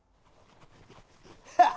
ハッ！